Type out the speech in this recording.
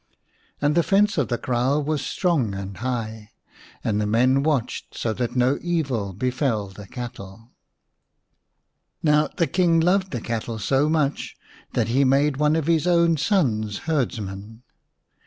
And the fence of the kraal was strong and high, and the men watched so that no evil befell the cattle. Now the King loved the cattle so much that 18 ii The King's Son he made one of his own sons herdsman.